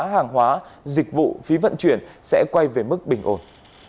hàng hóa dịch vụ phí vận chuyển sẽ quay về mức bình ổn